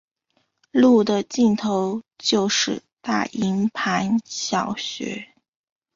路的尽头就是大营盘小学。